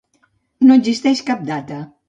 No existeix cap data.